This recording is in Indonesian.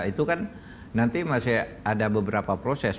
itu kan nanti masih ada beberapa proses